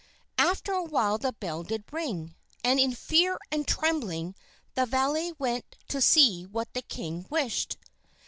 After a while the bell did ring, and in fear and trembling the valet went to see what the king wished.